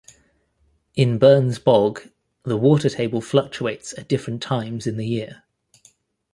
In Burns Bog, the water table fluctuates at different times in the year.